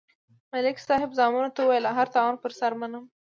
ملک صاحب زامنو ته ویل: هر تاوان پر سر منم.